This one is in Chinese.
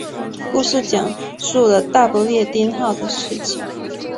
故事讲述了大不列颠号的事情。